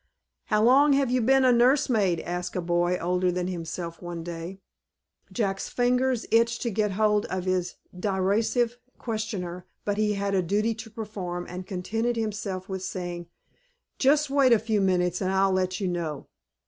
"How long have you been a nurse maid?" asked a boy, older than himself, one day. Jack's fingers itched to get hold of his derisive questioner, but he had a duty to perform, and contented himself with saying, "Just wait a few minutes, and I'll let you know."